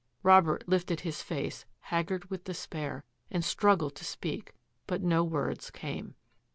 Robert lifted his face, haggard with despair, and struggled to speak — but no words came.